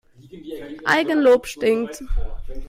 Eigenlob stinkt.